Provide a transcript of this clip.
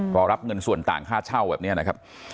พอรับเงินส่วนต่างค่าเช่าแบบนี้นะครับ